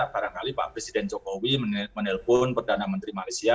barangkali pak presiden jokowi menelpon perdana menteri malaysia